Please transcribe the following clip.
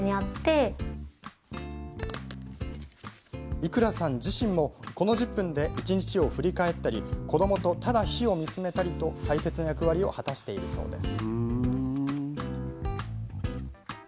伊倉さん自身もこの１０分で一日を振り返ったり子どもと、ただ火を見つめたりと大切な役割を果たしているそうです。